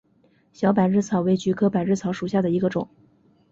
小百日草为菊科百日草属下的一个种。